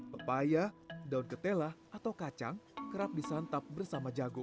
pepaya daun ketela atau kacang kerap disantap bersama jagung